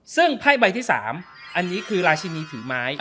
ซึ่งไพ่ใบที่๓อันนี้คือราชินีถือไม้